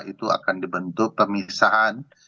itu akan dibentuk pemisahan